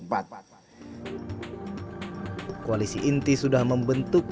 tni pkb yang diikuti masing masing partai partai